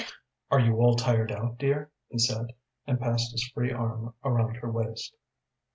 "Are you all tired out, dear?" he said, and passed his free arm around her waist.